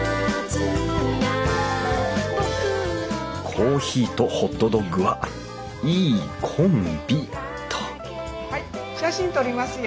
コーヒーとホットドッグはいいコンビっとはい写真撮りますよ。